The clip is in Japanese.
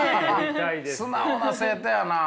素直な生徒やな。